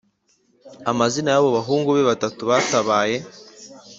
Amazina y’abo bahungu be batatu batabaye